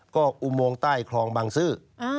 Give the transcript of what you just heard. ก็อุโมงใต้คลองบางซื่อ